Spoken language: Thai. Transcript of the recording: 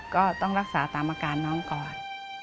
ก็ต้องรักษาตามอาการน้องก่อน